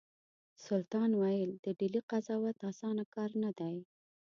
سلطان ویل د ډهلي قضاوت اسانه کار نه دی.